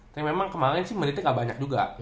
tapi memang kemaren sih meritnya gak banyak juga